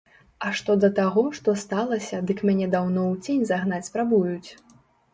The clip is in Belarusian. А што да таго, што сталася, дык мяне даўно ў цень загнаць спрабуюць.